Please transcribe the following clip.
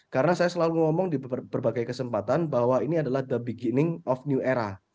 karena saya selalu ngomong di berbagai kesempatan bahwa ini adalah the beginning of new era